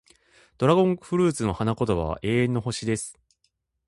ドラゴンフルーツの花言葉は、永遠の星、です。